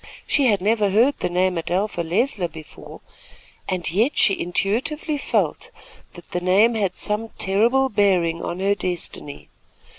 She had never heard the name Adelpha Leisler before, and yet she intuitively felt that the name had some terrible bearing on her destiny.